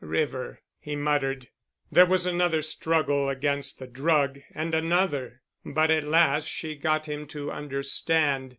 "River——" he muttered. There was another struggle against the drug and another, but at last she got him to understand.